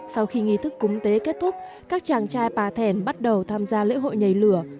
sau khi nghi thức cúng tế kết thúc các chàng trai bà thèn bắt đầu tham gia lễ hội nhảy lửa